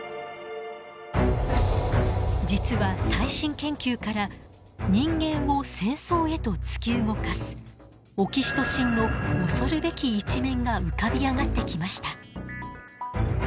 実は最新研究から人間を戦争へと突き動かすオキシトシンの恐るべき一面が浮かび上がってきました。